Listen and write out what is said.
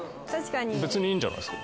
別にいいんじゃないですか。